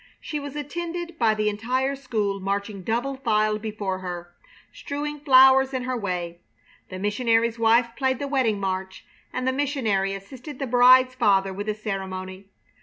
She was attended by the entire school marching double file before her, strewing flowers in her way. The missionary's wife played the wedding march, and the missionary assisted the bride's father with the ceremony.